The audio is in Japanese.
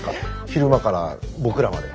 昼間から僕らまで。